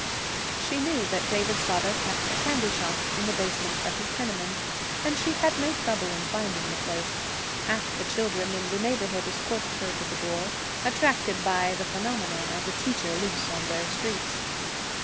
She knew that David's father kept a candy shop in the basement of his tenement, and she had no trouble in finding the place. Half the children in the neighborhood escorted her to the door, attracted by the phenomenon of a teacher loose on their streets.